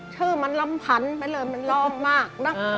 ชื่อมันลำพันไปเลยมันร้องมากนะ